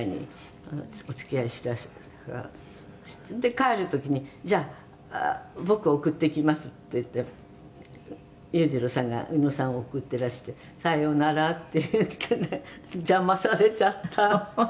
帰る時に“じゃあ僕送っていきます”って言って裕次郎さんが宇野さんを送ってらして“さよなら”って言ってね邪魔されちゃった」